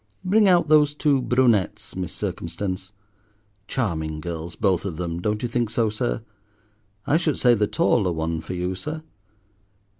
Bring out those two brunettes, Miss Circumstance. Charming girls both of them, don't you think so, sir? I should say the taller one for you, sir.